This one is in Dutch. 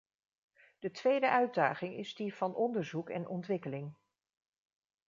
De tweede uitdaging is die van onderzoek en ontwikkeling.